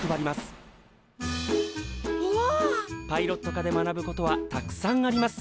パイロット科で学ぶことはたくさんあります。